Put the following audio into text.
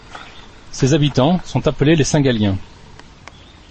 Ses habitants sont appelés les Saint-Galiens.